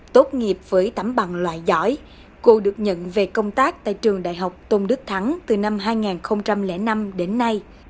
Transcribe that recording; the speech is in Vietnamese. tốt nghiệp với tám bằng loại giỏi cô được nhận về công tác tại trường đại học tôn đức thắng từ năm hai nghìn năm đến nay